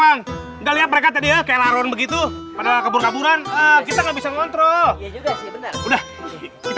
enggak lihat mereka tadi ya kelaruan begitu padahal keburan keburan kita bisa ngontrol